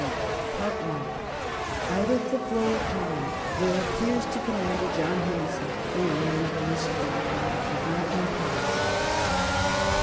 _] [Sidenote: Out of the flow of time there appears to Commander John Hanson a man of mystery from the forgotten past.